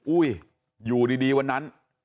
อุ้ยอยู่ดีวันนั้น